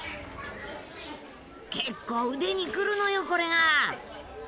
結構腕にくるのよこれが。